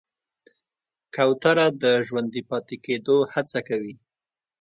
کوتره د ژوندي پاتې کېدو هڅه کوي.